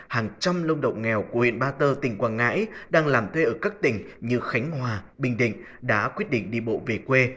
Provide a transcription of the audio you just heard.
hàng trăm nông động nghèo của huyện ba tơ tỉnh quảng ngãi đang làm thuê ở các tỉnh như khánh hòa bình định đã quyết định đi bộ về quê